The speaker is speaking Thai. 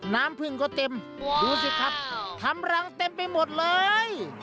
น้ำพึ่งก็เต็มดูสิครับทำรังเต็มไปหมดเลย